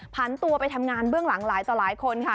พันตัวไปทำงานเบื้องหลังหลายต่อหลายคนค่ะ